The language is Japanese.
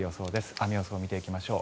雨予想を見ていきましょう。